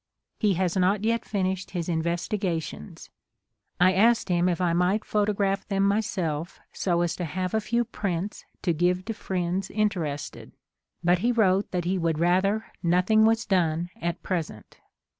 He has not yet finished his investigations. I asked him if I might photograph them myself so as to have a few prints to give to friends inter 18 HOW THE MATTER AROSE ested, but he wrote that he would rather nothing was done at present.